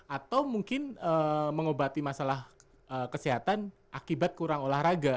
atau mungkin mengobati masalah kesehatan akibat kurang olahraga